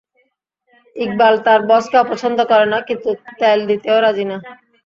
ইকবাল তার বসকে অপছন্দ করে না, কিন্তু তেল দিতেও রাজি না।